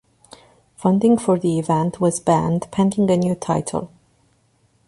Funding for the event was banned pending a new title.